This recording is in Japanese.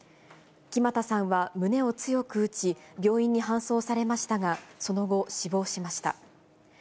木全さんは、胸を強く打ち、病院に搬送されましたが、その後、死亡しました。